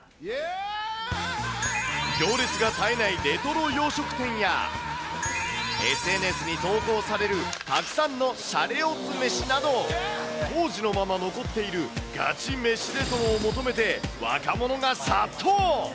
行列が絶えないレトロ洋食店や、ＳＮＳに投稿されるたくさんのシャレおつ飯など、当時のまま残っているガチ飯レトロを求めて若者が殺到。